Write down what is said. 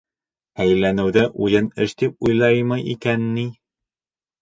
Әйләнеүҙе уйын эш тип уйлаймы икән ни?!